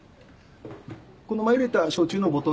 この前入れた焼酎のボトル。